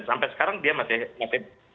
sampai sekarang dia masih